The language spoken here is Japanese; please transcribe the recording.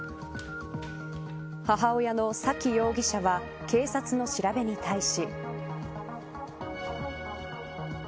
母親の沙喜容疑者は警察の調べに対し。